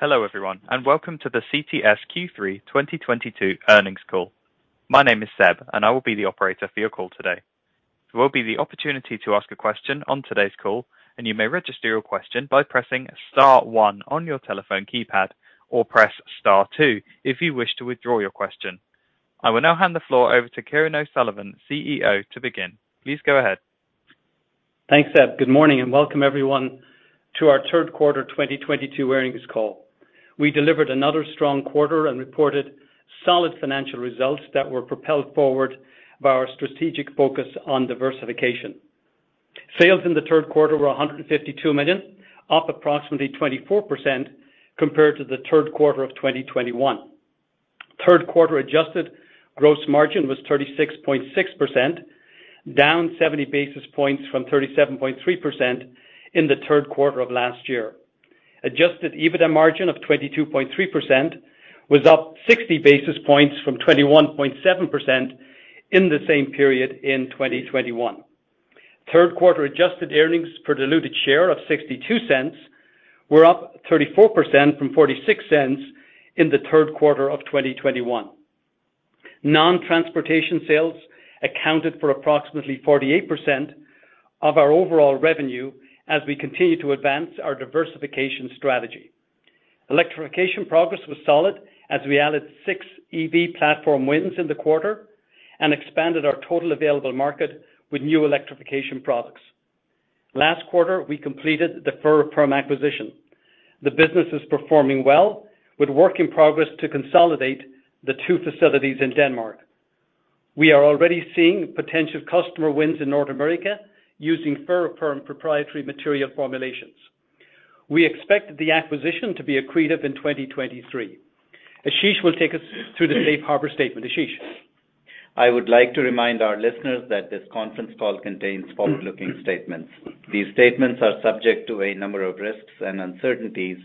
Hello everyone, and welcome to the CTS Q3 2022 earnings call. My name is Seb, and I will be the operator for your call today. There will be the opportunity to ask a question on today's call, and you may register your question by pressing star one on your telephone keypad, or press star two if you wish to withdraw your question. I will now hand the floor over to Kieran O'Sullivan, CEO, to begin. Please go ahead. Thanks, Seb. Good morning and welcome everyone to our third quarter 2022 earnings call. We delivered another strong quarter and reported solid financial results that were propelled forward by our strategic focus on diversification. Sales in the third quarter were $152 million, up approximately 24% compared to the third quarter of 2021. Third quarter adjusted gross margin was 36.6%, down 70 basis points from 37.3% in the third quarter of last year. Adjusted EBITDA margin of 22.3% was up 60 basis points from 21.7% in the same period in 2021. Third quarter adjusted earnings per diluted share of $0.62 were up 34% from $0.46 in the third quarter of 2021. Non-transportation sales accounted for approximately 48% of our overall revenue as we continue to advance our diversification strategy. Electrification progress was solid as we added six EV platform wins in the quarter and expanded our total available market with new electrification products. Last quarter, we completed the Ferroperm acquisition. The business is performing well with work in progress to consolidate the two facilities in Denmark. We are already seeing potential customer wins in North America using Ferroperm proprietary material formulations. We expect the acquisition to be accretive in 2023. Ashish will take us through the safe harbor statement. Ashish. I would like to remind our listeners that this conference call contains forward-looking statements. These statements are subject to a number of risks and uncertainties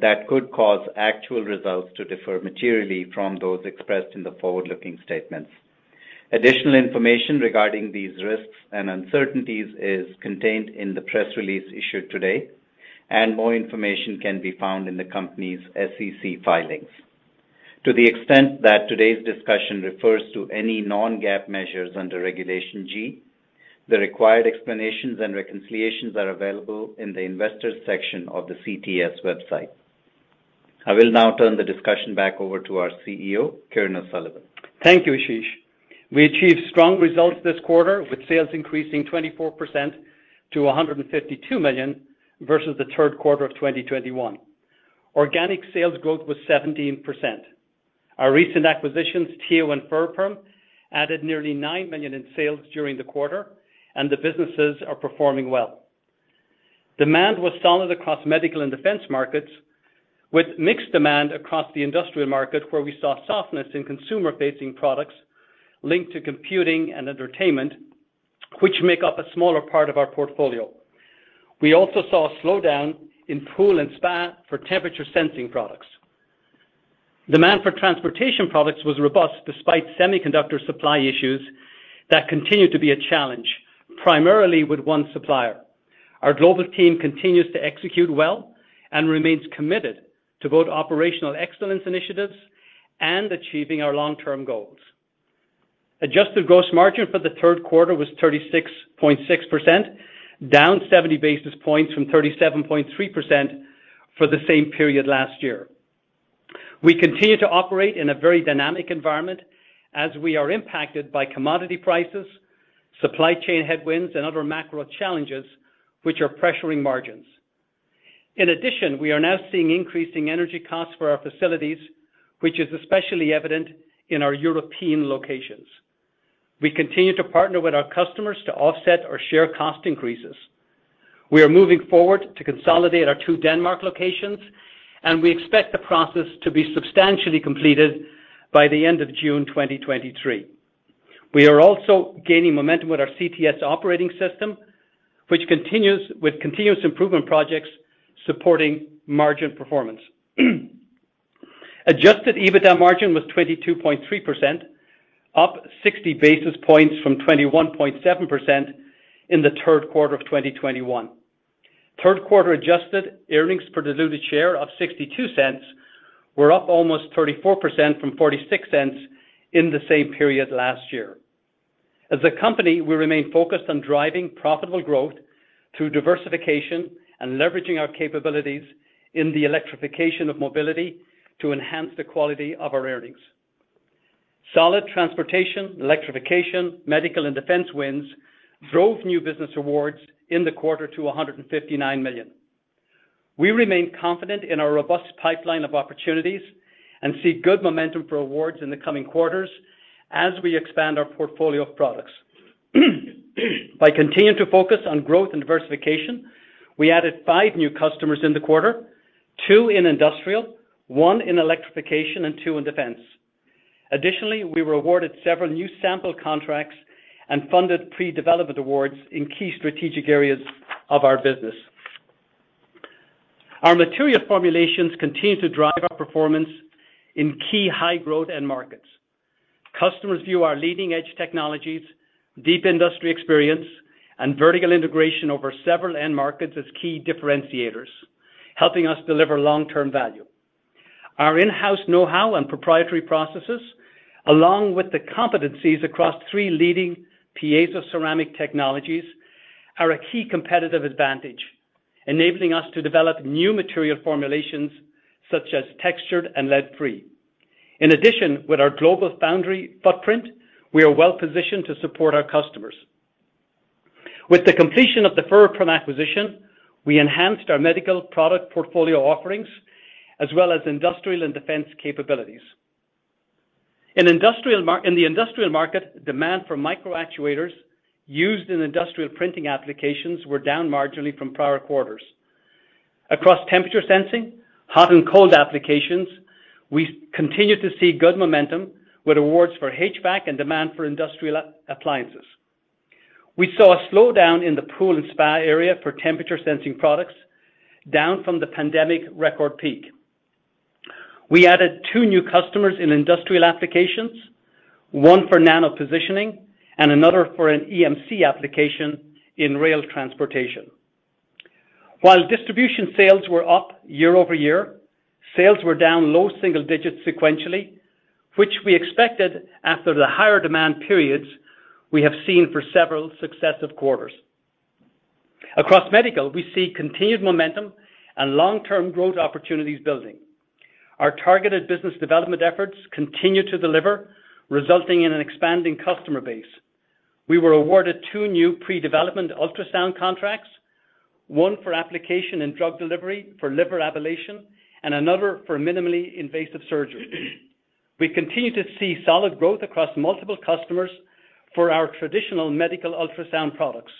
that could cause actual results to differ materially from those expressed in the forward-looking statements. Additional information regarding these risks and uncertainties is contained in the press release issued today, and more information can be found in the company's SEC filings. To the extent that today's discussion refers to any non-GAAP measures under Regulation G, the required explanations and reconciliations are available in the investors section of the CTS website. I will now turn the discussion back over to our CEO, Kieran O'Sullivan. Thank you, Ashish. We achieved strong results this quarter, with sales increasing 24% to $152 million versus the third quarter of 2021. Organic sales growth was 17%. Our recent acquisitions, TEWA and Ferroperm, added nearly $9 million in sales during the quarter, and the businesses are performing well. Demand was solid across medical and defense markets, with mixed demand across the industrial market, where we saw softness in consumer-facing products linked to computing and entertainment, which make up a smaller part of our portfolio. We also saw a slowdown in pool and spa for temperature sensing products. Demand for transportation products was robust despite semiconductor supply issues that continue to be a challenge, primarily with one supplier. Our global team continues to execute well and remains committed to both operational excellence initiatives and achieving our long-term goals. Adjusted gross margin for the third quarter was 36.6%, down 70 basis points from 37.3% for the same period last year. We continue to operate in a very dynamic environment as we are impacted by commodity prices, supply chain headwinds, and other macro challenges, which are pressuring margins. In addition, we are now seeing increasing energy costs for our facilities, which is especially evident in our European locations. We continue to partner with our customers to offset or share cost increases. We are moving forward to consolidate our two Denmark locations, and we expect the process to be substantially completed by the end of June 2023. We are also gaining momentum with our CTS operating system, which continues with continuous improvement projects supporting margin performance. Adjusted EBITDA margin was 22.3%, up 60 basis points from 21.7% in the third quarter of 2021. Third quarter adjusted earnings per diluted share of $0.62 were up almost 34% from $0.46 in the same period last year. As a company, we remain focused on driving profitable growth through diversification and leveraging our capabilities in the electrification of mobility to enhance the quality of our earnings. Solid transportation, electrification, medical, and defense wins drove new business awards in the quarter to $159 million. We remain confident in our robust pipeline of opportunities and see good momentum for awards in the coming quarters as we expand our portfolio of products. By continuing to focus on growth and diversification, we added five new customers in the quarter, two in industrial, one in electrification, and two in defense. Additionally, we were awarded several new sample contracts and funded pre-development awards in key strategic areas of our business. Our material formulations continue to drive our performance in key high growth end markets. Customers view our leading edge technologies, deep industry experience, and vertical integration over several end markets as key differentiators, helping us deliver long-term value. Our in-house know-how and proprietary processes, along with the competencies across three leading piezo ceramic technologies, are a key competitive advantage, enabling us to develop new material formulations such as textured and lead-free. In addition, with our global foundry footprint, we are well-positioned to support our customers. With the completion of the Ferroperm acquisition, we enhanced our medical product portfolio offerings as well as industrial and defense capabilities. In the industrial market, demand for microactuators used in industrial printing applications were down marginally from prior quarters. Across temperature sensing, hot and cold applications, we continue to see good momentum with awards for HVAC and demand for industrial appliances. We saw a slowdown in the pool and spa area for temperature sensing products, down from the pandemic record peak. We added two new customers in industrial applications, one for nano-positioning and another for an EMC application in rail transportation. While distribution sales were up year-over-year, sales were down low single digits sequentially, which we expected after the higher demand periods we have seen for several successive quarters. Across medical, we see continued momentum and long-term growth opportunities building. Our targeted business development efforts continue to deliver, resulting in an expanding customer base. We were awarded two new pre-development ultrasound contracts, one for application in drug delivery for liver ablation, and another for minimally invasive surgery. We continue to see solid growth across multiple customers for our traditional medical ultrasound products.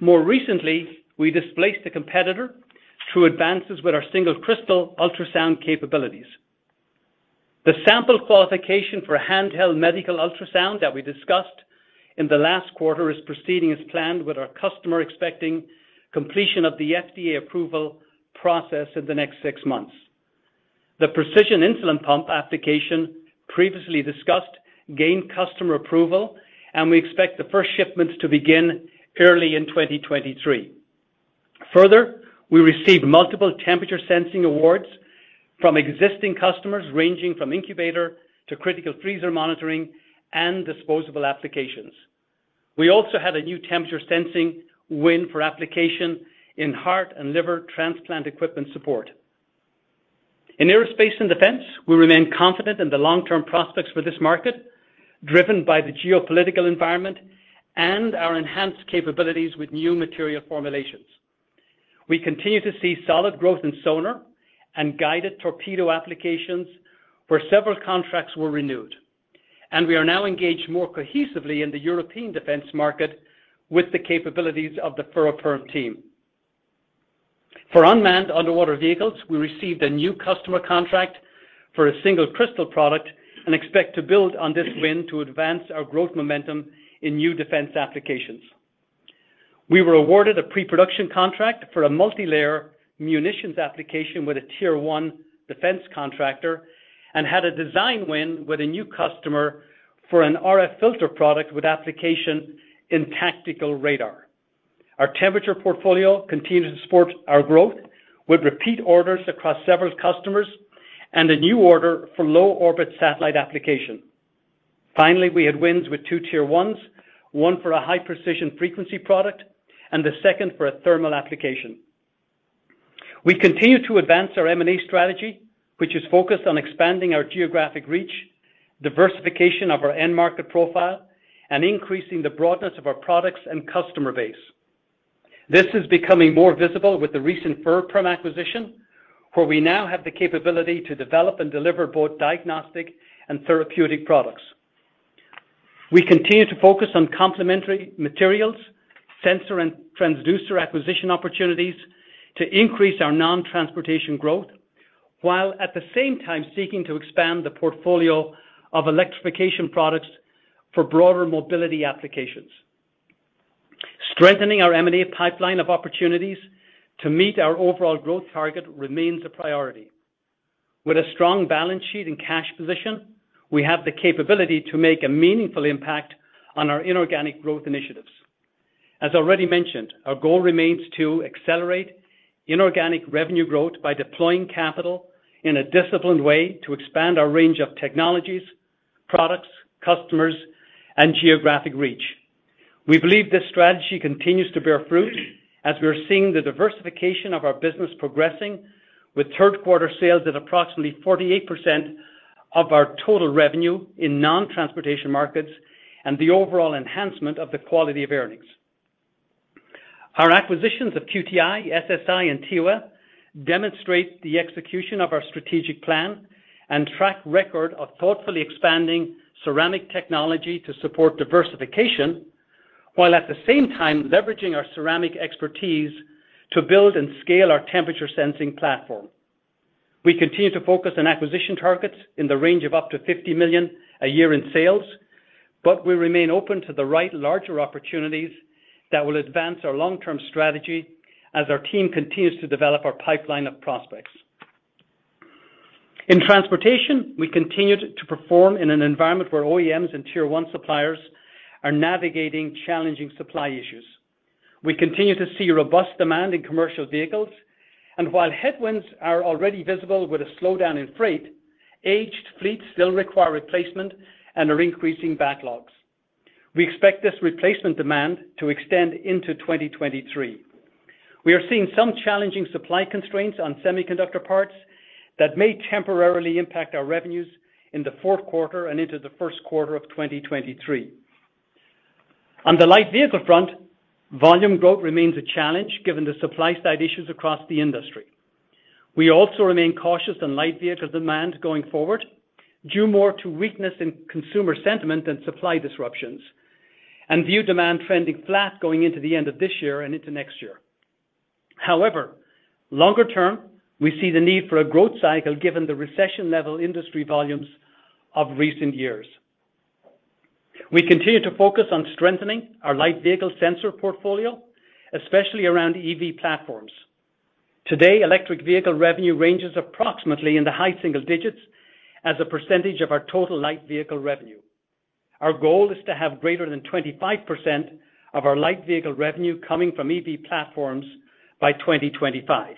More recently, we displaced a competitor through advances with our single crystal ultrasound capabilities. The sample qualification for handheld medical ultrasound that we discussed in the last quarter is proceeding as planned with our customer expecting completion of the FDA approval process in the next six months. The precision insulin pump application previously discussed gained customer approval, and we expect the first shipments to begin early in 2023. Further, we received multiple temperature sensing awards from existing customers ranging from incubator to critical freezer monitoring and disposable applications. We also had a new temperature sensing win for application in heart and liver transplant equipment support. In aerospace and defense, we remain confident in the long-term prospects for this market, driven by the geopolitical environment and our enhanced capabilities with new material formulations. We continue to see solid growth in sonar and guided torpedo applications where several contracts were renewed, and we are now engaged more cohesively in the European defense market with the capabilities of the Ferroperm team. For unmanned underwater vehicles, we received a new customer contract for a single crystal product and expect to build on this win to advance our growth momentum in new defense applications. We were awarded a pre-production contract for a multilayer munitions application with a tier one defense contractor and had a design win with a new customer for an RF filter product with application in tactical radar. Our temperature portfolio continued to support our growth with repeat orders across several customers and a new order for low orbit satellite application. Finally, we had wins with two tier ones, one for a high precision frequency product and the second for a thermal application. We continue to advance our M&A strategy, which is focused on expanding our geographic reach, diversification of our end market profile, and increasing the broadness of our products and customer base. This is becoming more visible with the recent Ferroperm acquisition, where we now have the capability to develop and deliver both diagnostic and therapeutic products. We continue to focus on complementary materials, sensor and transducer acquisition opportunities to increase our non-transportation growth, while at the same time seeking to expand the portfolio of electrification products for broader mobility applications. Strengthening our M&A pipeline of opportunities to meet our overall growth target remains a priority. With a strong balance sheet and cash position, we have the capability to make a meaningful impact on our inorganic growth initiatives. As already mentioned, our goal remains to accelerate inorganic revenue growth by deploying capital in a disciplined way to expand our range of technologies, products, customers, and geographic reach. We believe this strategy continues to bear fruit as we are seeing the diversification of our business progressing with third quarter sales at approximately 48% of our total revenue in non-transportation markets and the overall enhancement of the quality of earnings. Our acquisitions of QTI, SSI, and TEWA demonstrate the execution of our strategic plan and track record of thoughtfully expanding ceramic technology to support diversification, while at the same time leveraging our ceramic expertise to build and scale our temperature sensing platform. We continue to focus on acquisition targets in the range of up to $50 million a year in sales. We remain open to the right larger opportunities that will advance our long-term strategy as our team continues to develop our pipeline of prospects. In transportation, we continued to perform in an environment where OEMs and Tier 1 suppliers are navigating challenging supply issues. We continue to see robust demand in commercial vehicles, and while headwinds are already visible with a slowdown in freight, aged fleets still require replacement and are increasing backlogs. We expect this replacement demand to extend into 2023. We are seeing some challenging supply constraints on semiconductor parts that may temporarily impact our revenues in the fourth quarter and into the first quarter of 2023. On the light vehicle front, volume growth remains a challenge given the supply side issues across the industry. We also remain cautious on light vehicle demand going forward, due more to weakness in consumer sentiment than supply disruptions, and view demand trending flat going into the end of this year and into next year. However, longer term, we see the need for a growth cycle given the recession level industry volumes of recent years. We continue to focus on strengthening our light vehicle sensor portfolio, especially around EV platforms. Today, electric vehicle revenue ranges approximately in the high single digits as a percentage of our total light vehicle revenue. Our goal is to have greater than 25% of our light vehicle revenue coming from EV platforms by 2025.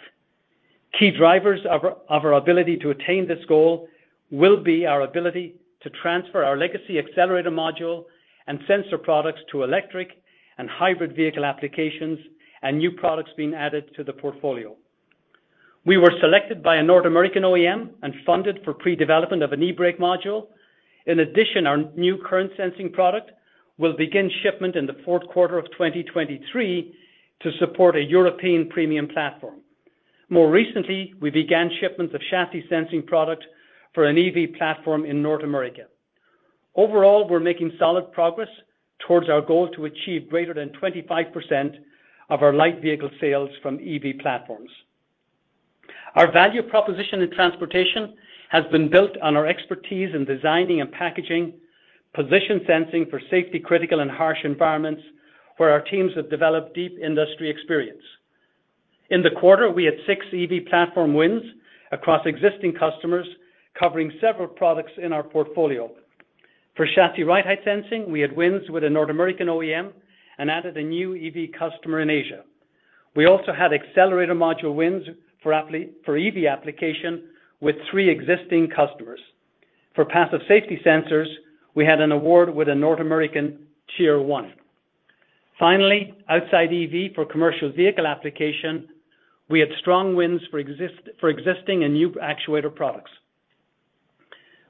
Key drivers of our ability to attain this goal will be our ability to transfer our legacy accelerator module and sensor products to electric and hybrid vehicle applications and new products being added to the portfolio. We were selected by a North American OEM and funded for pre-development of an eBrake module. In addition, our new current sensing product will begin shipment in the fourth quarter of 2023 to support a European premium platform. More recently, we began shipments of chassis sensing product for an EV platform in North America. Overall, we're making solid progress towards our goal to achieve greater than 25% of our light vehicle sales from EV platforms. Our value proposition in transportation has been built on our expertise in designing and packaging position sensing for safety-critical and harsh environments, where our teams have developed deep industry experience. In the quarter, we had six EV platform wins across existing customers, covering several products in our portfolio. For Chassis ride height sensing, we had wins with a North American OEM and added a new EV customer in Asia. We also had accelerator module wins for EV application with three existing customers. For passive safety sensors, we had an award with a North American tier one. Finally, outside EV for commercial vehicle application, we had strong wins for existing and new actuator products.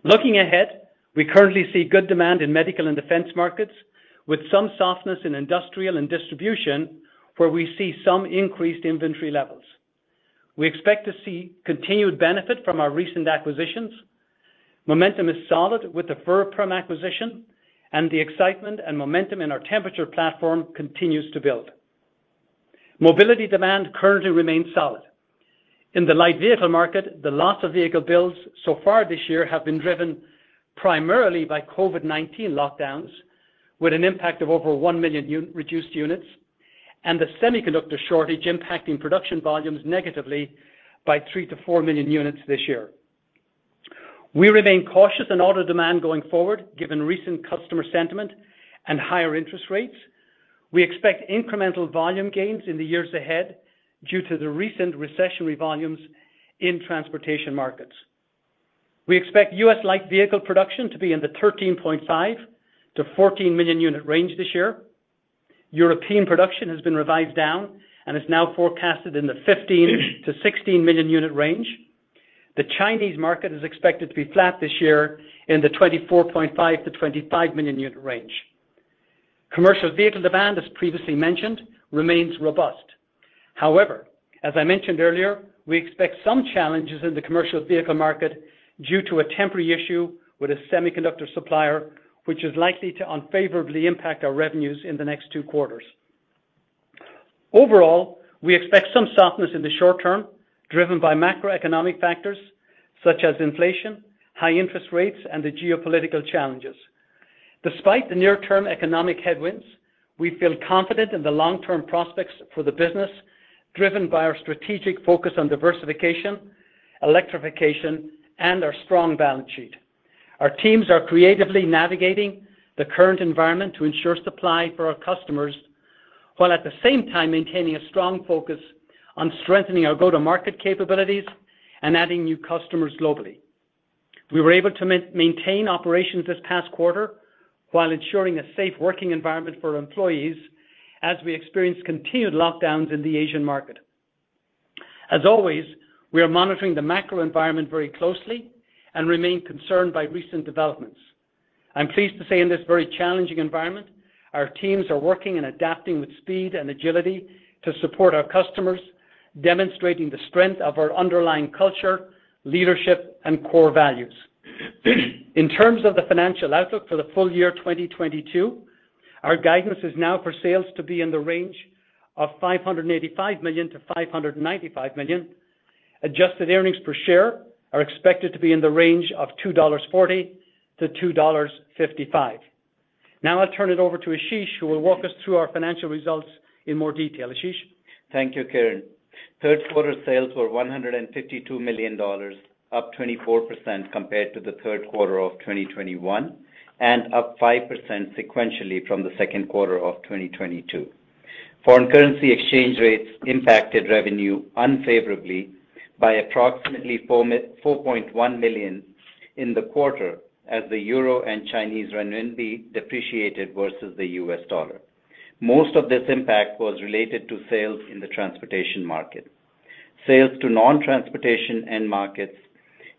Looking ahead, we currently see good demand in medical and defense markets with some softness in industrial and distribution, where we see some increased inventory levels. We expect to see continued benefit from our recent acquisitions. Momentum is solid with the Ferroperm acquisition and the excitement and momentum in our temperature platform continues to build. Mobility demand currently remains solid. In the light vehicle market, the loss of vehicle builds so far this year have been driven primarily by COVID-19 lockdowns, with an impact of over 1 million reduced units, and the semiconductor shortage impacting production volumes negatively by 3-4 million units this year. We remain cautious in auto demand going forward, given recent customer sentiment and higher interest rates. We expect incremental volume gains in the years ahead due to the recent recessionary volumes in transportation markets. We expect U.S. light vehicle production to be in the 13.5-14 million unit range this year. European production has been revised down and is now forecasted in the 15-16 million unit range. The Chinese market is expected to be flat this year in the 24.5-25 million unit range. Commercial vehicle demand, as previously mentioned, remains robust. However, as I mentioned earlier, we expect some challenges in the commercial vehicle market due to a temporary issue with a semiconductor supplier, which is likely to unfavorably impact our revenues in the next two quarters. Overall, we expect some softness in the short term driven by macroeconomic factors such as inflation, high interest rates, and the geopolitical challenges. Despite the near-term economic headwinds, we feel confident in the long-term prospects for the business, driven by our strategic focus on diversification, electrification, and our strong balance sheet. Our teams are creatively navigating the current environment to ensure supply for our customers, while at the same time maintaining a strong focus on strengthening our go-to-market capabilities and adding new customers globally. We were able to maintain operations this past quarter while ensuring a safe working environment for employees as we experienced continued lockdowns in the Asian market. As always, we are monitoring the macro environment very closely and remain concerned by recent developments. I'm pleased to say in this very challenging environment, our teams are working and adapting with speed and agility to support our customers, demonstrating the strength of our underlying culture, leadership, and core values. In terms of the financial outlook for the full year 2022, our guidance is now for sales to be in the range of $585 million-$595 million. Adjusted earnings per share are expected to be in the range of $2.40-$2.55. Now I'll turn it over to Ashish, who will walk us through our financial results in more detail. Ashish? Thank you, Kieran. Third quarter sales were $152 million, up 24% compared to the third quarter of 2021, and up 5% sequentially from the second quarter of 2022. Foreign currency exchange rates impacted revenue unfavorably by approximately $4.1 million in the quarter as the euro and Chinese renminbi depreciated versus the US dollar. Most of this impact was related to sales in the transportation market. Sales to non-transportation end markets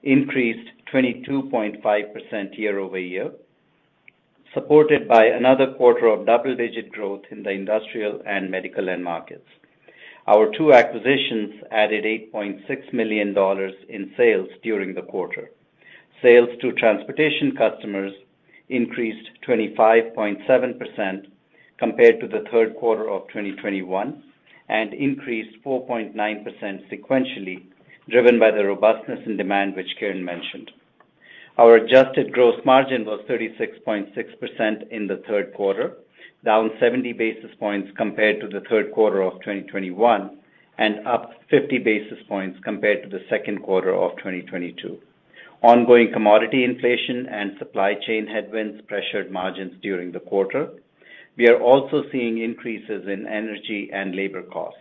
increased 22.5% year-over-year, supported by another quarter of double-digit growth in the industrial and medical end markets. Our two acquisitions added $8.6 million in sales during the quarter. Sales to transportation customers increased 25.7% compared to the third quarter of 2021, and increased 4.9% sequentially, driven by the robustness in demand which Kieran mentioned. Our adjusted gross margin was 36.6% in the third quarter, down 70 basis points compared to the third quarter of 2021, and up 50 basis points compared to the second quarter of 2022. Ongoing commodity inflation and supply chain headwinds pressured margins during the quarter. We are also seeing increases in energy and labor costs.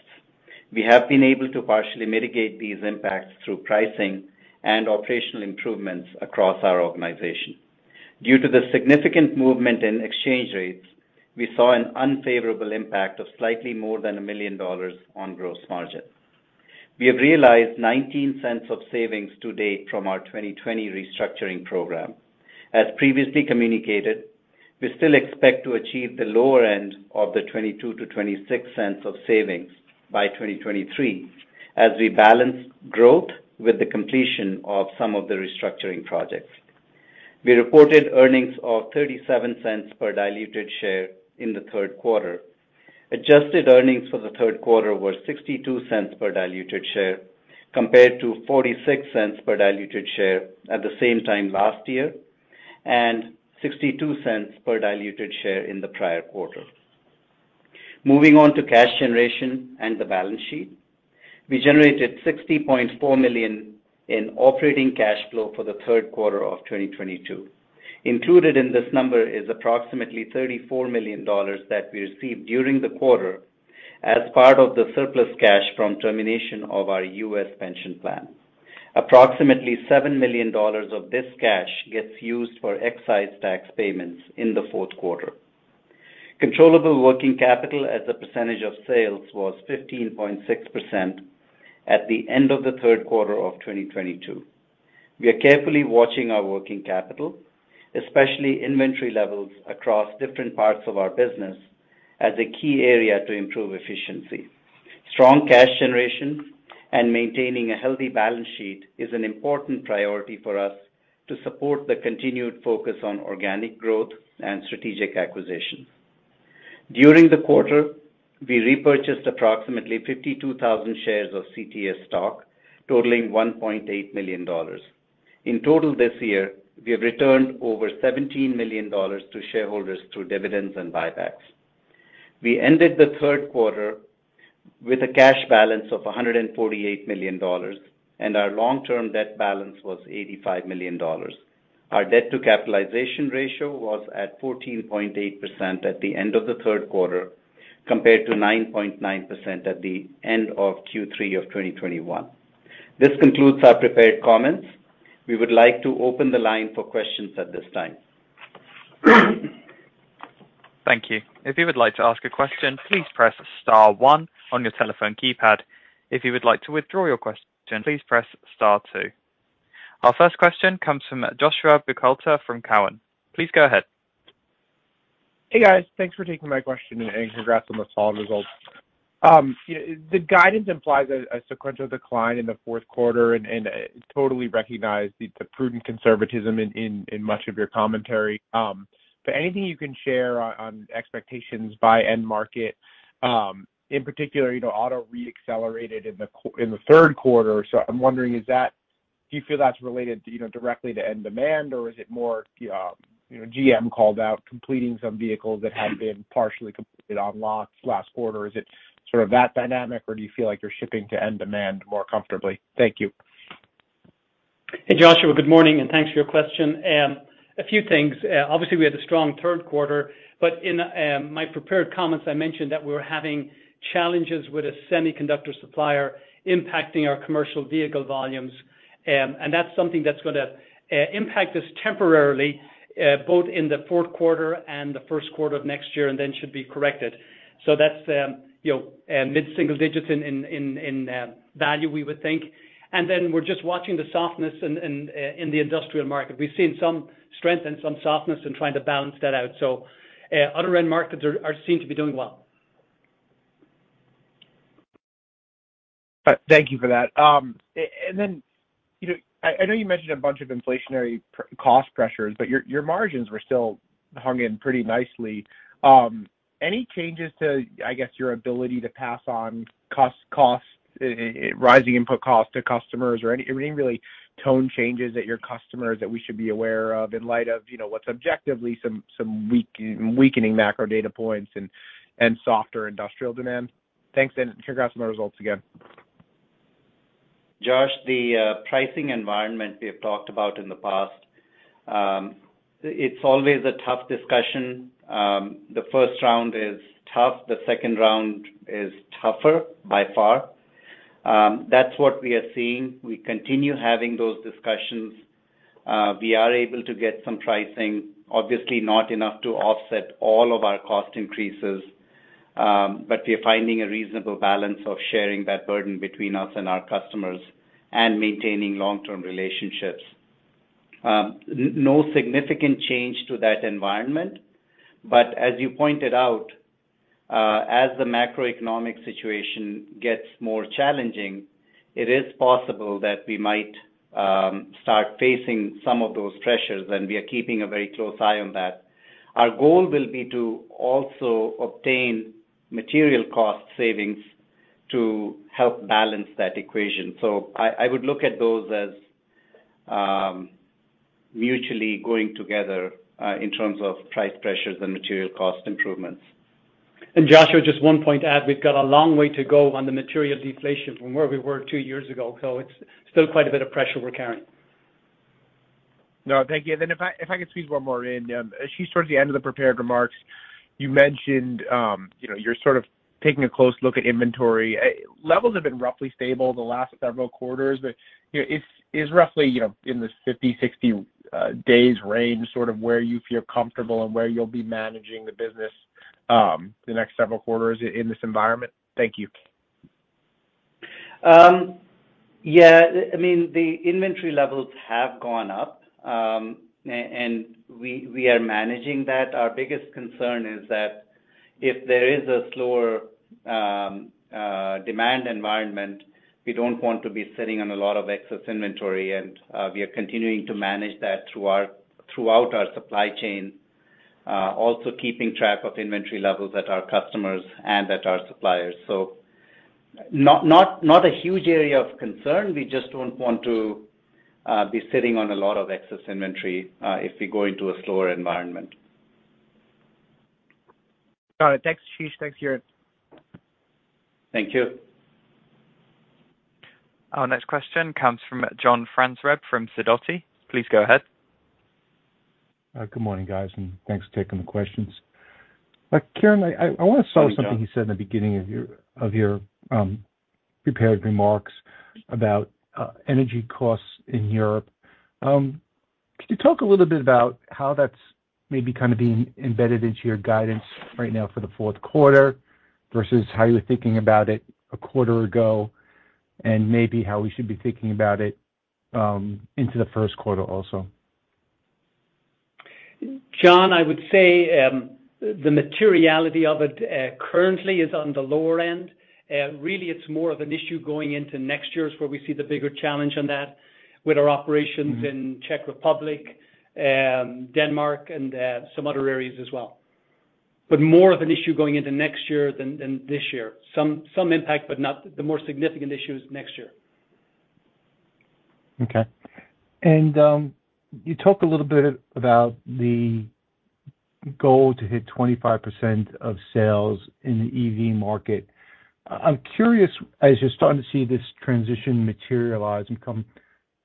We have been able to partially mitigate these impacts through pricing and operational improvements across our organization. Due to the significant movement in exchange rates, we saw an unfavorable impact of slightly more than $1 million on gross margin. We have realized $0.19 of savings to date from our 2020 restructuring program. As previously communicated, we still expect to achieve the lower end of the $0.22-$0.26 of savings by 2023 as we balance growth with the completion of some of the restructuring projects. We reported earnings of $0.37 per diluted share in the third quarter. Adjusted earnings for the third quarter were $0.62 per diluted share compared to $0.46 per diluted share at the same time last year, and $0.62 per diluted share in the prior quarter. Moving on to cash generation and the balance sheet. We generated $60.4 million in operating cash flow for the third quarter of 2022. Included in this number is approximately $34 million that we received during the quarter as part of the surplus cash from termination of our U.S. pension plan. Approximately $7 million of this cash gets used for excise tax payments in the fourth quarter. Controllable working capital as a percentage of sales was 15.6% at the end of the third quarter of 2022. We are carefully watching our working capital, especially inventory levels across different parts of our business as a key area to improve efficiency. Strong cash generation and maintaining a healthy balance sheet is an important priority for us to support the continued focus on organic growth and strategic acquisitions. During the quarter, we repurchased approximately 52,000 shares of CTS stock, totaling $1.8 million. In total this year, we have returned over $17 million to shareholders through dividends and buybacks. We ended the third quarter with a cash balance of $148 million, and our long-term debt balance was $85 million. Our debt-to-capitalization ratio was at 14.8% at the end of the third quarter, compared to 9.9% at the end of Q3 of 2021. This concludes our prepared comments. We would like to open the line for questions at this time. Thank you. If you would like to ask a question, please press star one on your telephone keypad. If you would like to withdraw your question, please press star two. Our first question comes from Joshua Buchalter from TD Cowen. Please go ahead. Hey, guys. Thanks for taking my question and congrats on the strong results. The guidance implies a sequential decline in the fourth quarter and totally recognize the prudent conservatism in much of your commentary. Anything you can share on expectations by end market, in particular, you know, auto re-accelerated in the third quarter. I'm wondering. Do you feel that's related, you know, directly to end demand? Is it more, you know, GM called out completing some vehicles that had been partially completed on lots last quarter? Is it sort of that dynamic? Do you feel like you're shipping to end demand more comfortably? Thank you. Hey, Joshua. Good morning, and thanks for your question. A few things. Obviously, we had a strong third quarter, but in my prepared comments, I mentioned that we're having challenges with a semiconductor supplier impacting our commercial vehicle volumes. That's something that's gonna impact us temporarily, both in the fourth quarter and the first quarter of next year, and then should be corrected. That's, you know, mid-single digits in value, we would think. We're just watching the softness in the industrial market. We've seen some strength and some softness and trying to balance that out. Other end markets seem to be doing well. Thank you for that. You know, I know you mentioned a bunch of inflationary cost pressures, but your margins were still held in pretty nicely. Any changes to, I guess, your ability to pass on rising input costs to customers or any really tone changes at your customers that we should be aware of in light of, you know, what's objectively some weakening macro data points and softer industrial demand? Thanks, and congrats on the results again. Josh, the pricing environment we have talked about in the past, it's always a tough discussion. The first round is tough. The second round is tougher by far. That's what we are seeing. We continue having those discussions. We are able to get some pricing, obviously not enough to offset all of our cost increases, but we're finding a reasonable balance of sharing that burden between us and our customers and maintaining long-term relationships. No significant change to that environment. As you pointed out, as the macroeconomic situation gets more challenging, it is possible that we might start facing some of those pressures, and we are keeping a very close eye on that. Our goal will be to also obtain material cost savings to help balance that equation. I would look at those as mutually going together in terms of price pressures and material cost improvements. Josh, just one point to add. We've got a long way to go on the material deflation from where we were two years ago, so it's still quite a bit of pressure we're carrying. No, thank you. If I could squeeze one more in. Ashish, towards the end of the prepared remarks, you mentioned, you know, you're sort of taking a close look at inventory. Levels have been roughly stable the last several quarters, but you know, is roughly you know in the 50-60 days range, sort of where you feel comfortable and where you'll be managing the business, the next several quarters in this environment? Thank you. Yeah. I mean, the inventory levels have gone up, and we are managing that. Our biggest concern is that if there is a slower demand environment, we don't want to be sitting on a lot of excess inventory. We are continuing to manage that throughout our supply chain. Also keeping track of inventory levels at our customers and at our suppliers. Not a huge area of concern. We just don't want to be sitting on a lot of excess inventory, if we go into a slower environment. Got it. Thanks, Ashish. Thanks, Kieran. Thank you. Our next question comes from John Franzreb from Sidoti. Please go ahead. Good morning, guys, and thanks for taking the questions. Kieran, I wanna follow something. Good morning, John. You said in the beginning of your prepared remarks about energy costs in Europe. Could you talk a little bit about how that's maybe kind of being embedded into your guidance right now for the fourth quarter versus how you were thinking about it a quarter ago and maybe how we should be thinking about it into the first quarter also? John, I would say, the materiality of it, currently is on the lower end. Really, it's more of an issue going into next year is where we see the bigger challenge on that with our operations in Czech Republic, Denmark, and some other areas as well. More of an issue going into next year than this year. Some impact, but the more significant issue is next year. Okay. You talk a little bit about the goal to hit 25% of sales in the EV market. I'm curious, as you're starting to see this transition materialize and become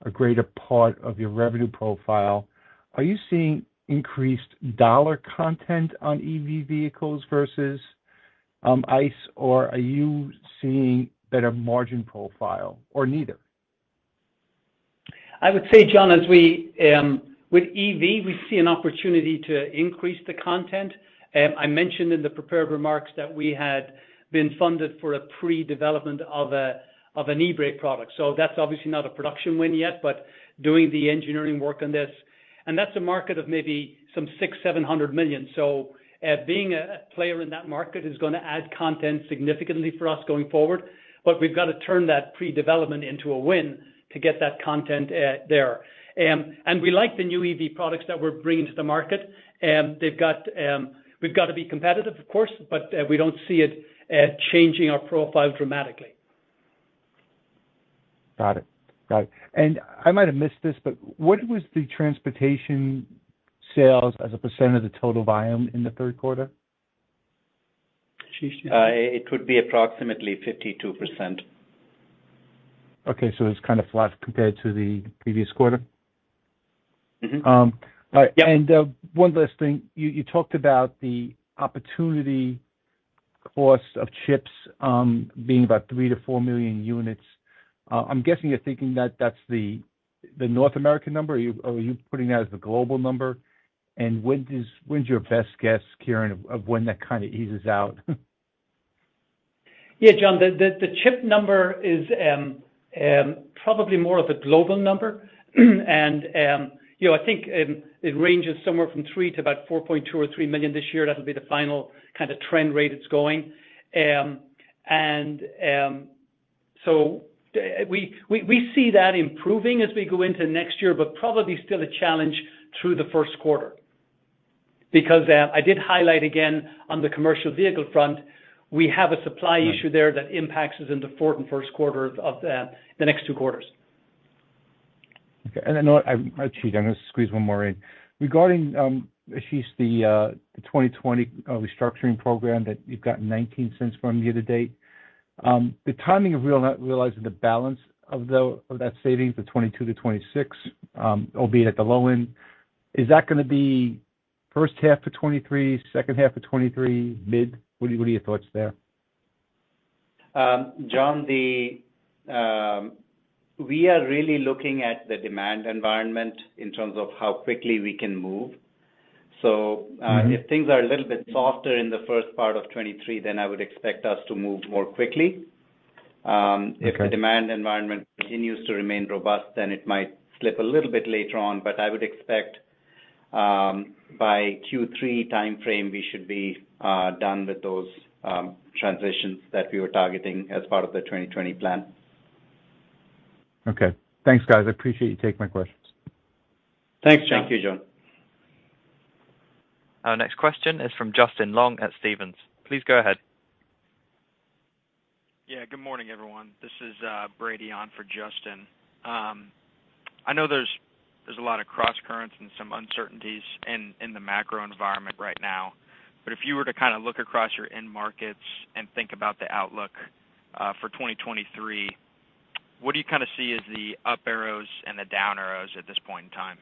a greater part of your revenue profile, are you seeing increased dollar content on EV vehicles versus, ICE, or are you seeing better margin profile or neither? I would say, John, as we with EV, we see an opportunity to increase the content. I mentioned in the prepared remarks that we had been funded for a pre-development of an eBrake product. That's obviously not a production win yet, but doing the engineering work on this. That's a market of maybe some $600 million-$700 million. Being a player in that market is gonna add content significantly for us going forward. We've got to turn that pre-development into a win to get that content there. We like the new EV products that we're bringing to the market. We've got to be competitive, of course, but we don't see it changing our profile dramatically. Got it. I might have missed this, but what was the transportation sales as a percentage of the total volume in the third quarter? Ashish? It would be approximately 52%. Okay. It's kind of flat compared to the previous quarter? Mm-hmm. All right. Yeah. One last thing. You talked about the opportunity cost of chips being about 3-4 million units. I'm guessing you're thinking that that's the North American number or are you putting that as the global number? When's your best guess, Kieran, of when that kind of eases out? Yeah, John, the chip number is probably more of a global number. You know, I think it ranges somewhere from 3 million to about 4.2 million or 3 million this year. That'll be the final kind of trend rate it's going. We see that improving as we go into next year, but probably still a challenge through the first quarter. Because I did highlight again on the commercial vehicle front, we have a supply issue there that impacts us into fourth and first quarter of the next two quarters. Okay. I'll cheat. I'm gonna squeeze one more in. Regarding Ashish, the 2020 restructuring program that you've gotten $0.19 from year to date, the timing of realizing the balance of that savings of $0.22-$0.26, albeit at the low end, is that gonna be first half of 2023, second half of 2023, mid? What are your thoughts there? John, we are really looking at the demand environment in terms of how quickly we can move. Mm-hmm. If things are a little bit softer in the first part of 2023, then I would expect us to move more quickly. Okay. If the demand environment continues to remain robust, then it might slip a little bit later on. I would expect by Q3 timeframe, we should be done with those transitions that we were targeting as part of the 2020 plan. Okay. Thanks, guys. I appreciate you taking my questions. Thanks, John. Thank you, John. Our next question is from Justin Long at Stephens. Please go ahead. Yeah, good morning, everyone. This is Brady on for Justin. I know there's a lot of crosscurrents and some uncertainties in the macro environment right now. If you were to kind of look across your end markets and think about the outlook for 2023, what do you kind of see as the up arrows and the down arrows at this point in time?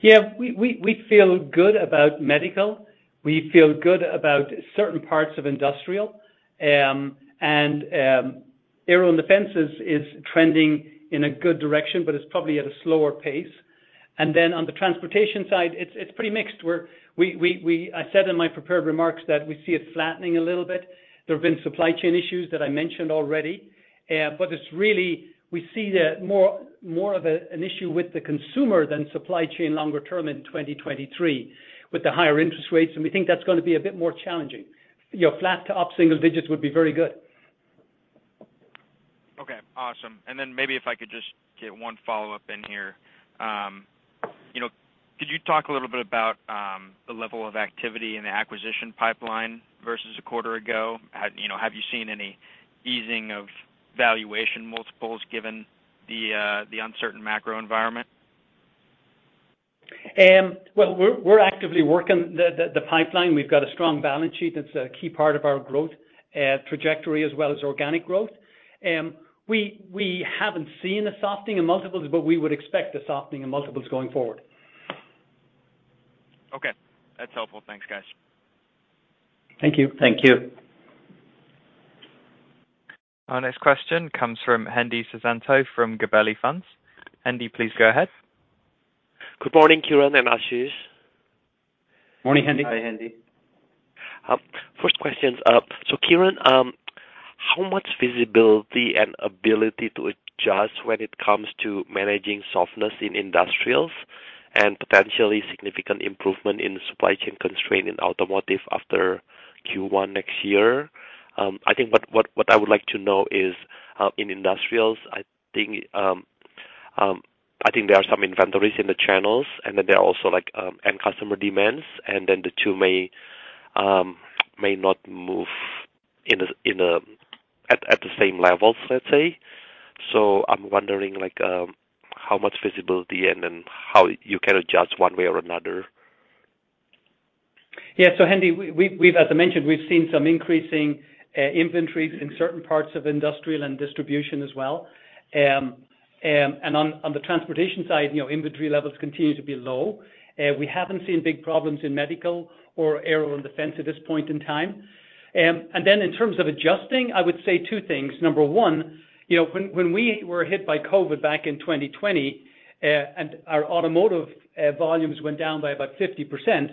Yeah. We feel good about medical. We feel good about certain parts of industrial. Aero and defense is trending in a good direction, but it's probably at a slower pace. Then on the transportation side, it's pretty mixed. I said in my prepared remarks that we see it flattening a little bit. There have been supply chain issues that I mentioned already. But it's really, we see more of an issue with the consumer than supply chain longer term in 2023 with the higher interest rates, and we think that's gonna be a bit more challenging. You know, flat to up single digits would be very good. Okay. Awesome. Maybe if I could just get one follow-up in here. You know, could you talk a little bit about the level of activity in the acquisition pipeline versus a quarter ago? You know, have you seen any easing of valuation multiples given the uncertain macro environment? Well, we're actively working the pipeline. We've got a strong balance sheet that's a key part of our growth trajectory as well as organic growth. We haven't seen a softening in multiples, but we would expect a softening in multiples going forward. Okay. That's helpful. Thanks, guys. Thank you. Thank you. Our next question comes from Hendi Susanto from Gabelli Funds. Hendi, please go ahead. Good morning, Kieran and Ashish. Morning, Hendi. Hi, Hendi. First question. So Kieran, how much visibility and ability to adjust when it comes to managing softness in industrials and potentially significant improvement in supply chain constraint in automotive after Q1 next year? I think what I would like to know is, in industrials, I think there are some inventories in the channels, and then there are also like end customer demands, and then the two may not move in a at the same levels, let's say. I'm wondering like how much visibility and then how you can adjust one way or another. Yeah. Hendi, as I mentioned, we've seen some increasing inventories in certain parts of industrial and distribution as well. On the transportation side, you know, inventory levels continue to be low. We haven't seen big problems in medical or aerospace and defense at this point in time. In terms of adjusting, I would say two things. Number one, you know, when we were hit by COVID back in 2020, and our automotive volumes went down by about 50%,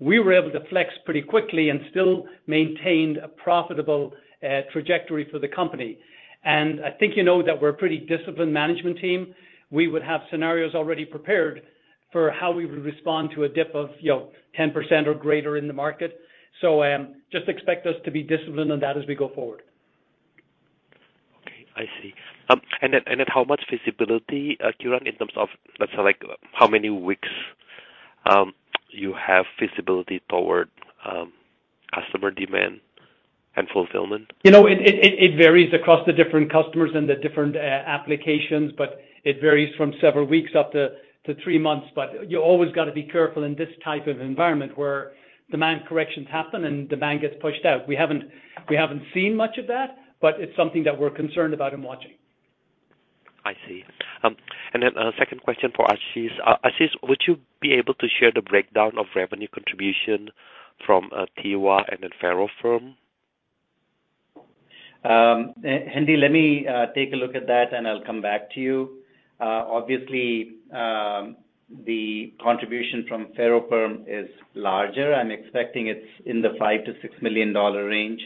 we were able to flex pretty quickly and still maintained a profitable trajectory for the company. I think you know that we're a pretty disciplined management team. We would have scenarios already prepared for how we would respond to a dip of, you know, 10% or greater in the market. Just expect us to be disciplined on that as we go forward. Okay, I see. How much visibility, Kieran, in terms of, let's say like how many weeks you have visibility toward customer demand and fulfillment? You know, it varies across the different customers and the different applications, but it varies from several weeks up to three months. You always gotta be careful in this type of environment where demand corrections happen and demand gets pushed out. We haven't seen much of that, but it's something that we're concerned about and watching. I see. A second question for Ashish. Ashish, would you be able to share the breakdown of revenue contribution from TEWA and then from Ferroperm? Hendi, let me take a look at that, and I'll come back to you. Obviously, the contribution from Ferroperm is larger. I'm expecting it's in the $5-$6 million range,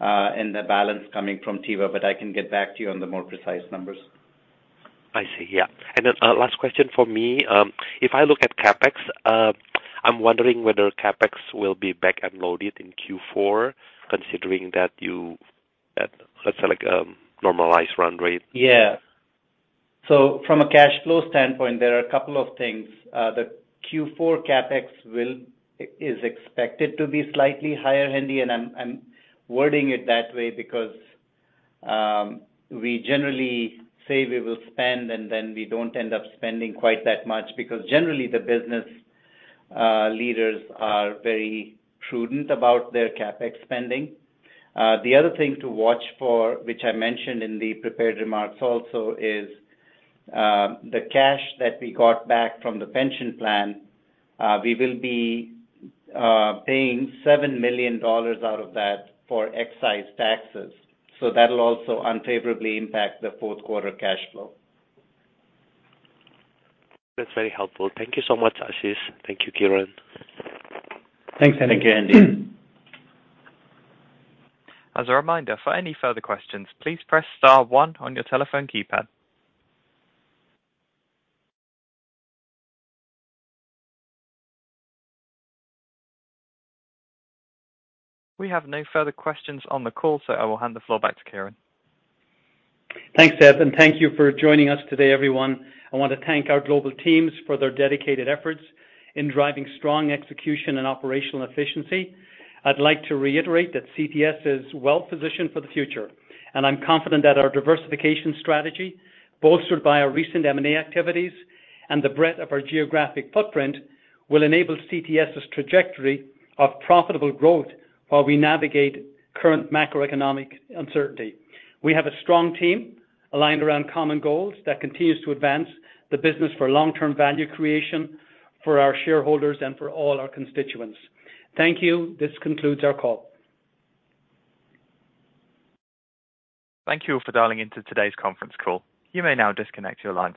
and the balance coming from TEWA, but I can get back to you on the more precise numbers. I see. Yeah. Last question for me. If I look at CapEx, I'm wondering whether CapEx will be back and loaded in Q4 considering that, let's say, like a normalized run rate. Yeah. From a cash flow standpoint, there are a couple of things. The Q4 CapEx is expected to be slightly higher, Hendi, and I'm wording it that way because we generally say we will spend, and then we don't end up spending quite that much because generally the business leaders are very prudent about their CapEx spending. The other thing to watch for, which I mentioned in the prepared remarks also is the cash that we got back from the pension plan, we will be paying $7 million out of that for excise taxes. That'll also unfavorably impact the fourth quarter cash flow. That's very helpful. Thank you so much, Ashish. Thank you, Kieran. Thanks, Hendi. Thank you, Hendi. As a reminder, for any further questions, please press star one on your telephone keypad. We have no further questions on the call, so I will hand the floor back to Kieran. Thanks, Seb. Thank you for joining us today, everyone. I want to thank our global teams for their dedicated efforts in driving strong execution and operational efficiency. I'd like to reiterate that CTS is well-positioned for the future, and I'm confident that our diversification strategy, bolstered by our recent M&A activities and the breadth of our geographic footprint, will enable CTS's trajectory of profitable growth while we navigate current macroeconomic uncertainty. We have a strong team aligned around common goals that continues to advance the business for long-term value creation for our shareholders and for all our constituents. Thank you. This concludes our call. Thank you for dialing into today's conference call. You may now disconnect your line.